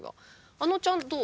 あのちゃんどう？